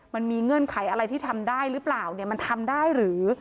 เงื่อนไขอะไรที่ทำได้หรือเปล่าเนี่ยมันทำได้หรือ